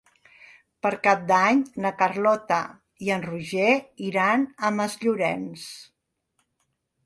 Per Cap d'Any na Carlota i en Roger iran a Masllorenç.